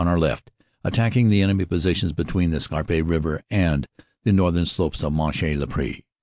26 27 127 left, attacking the enemy positions between the Scarpe river and the northern slopes of Monchy le Preux.